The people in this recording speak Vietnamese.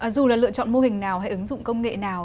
dù là lựa chọn mô hình nào hay ứng dụng công nghệ nào